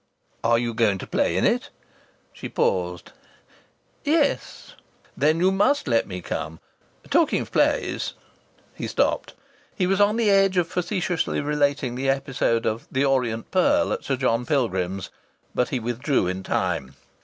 "Are you going to play in it?" She paused.... "Yes." "Then you must let me come. Talking of plays " He stopped. He was on the edge of facetiously relating the episode of "The Orient Pearl" at Sir John Pilgrim's. But he withdrew in time.